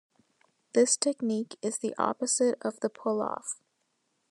This technique is the opposite of the pull-off.